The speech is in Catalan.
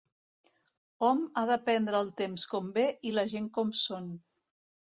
Hom ha de prendre el temps com ve i la gent com són.